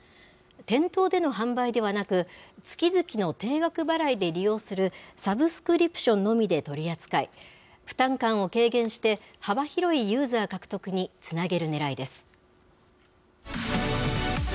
店頭での販売ではなく、月々の定額払いで利用する、サブスクリプションのみで取り扱い、負担感を軽減して、幅広いユーザー獲得につなげるねらいです。